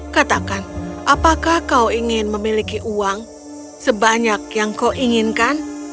katakan apakah kau ingin memiliki uang sebanyak yang kau inginkan